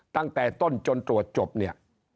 ตั้งแต่ต้นจนตรวจจบเนี่ย